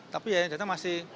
tapi ya yang datang masih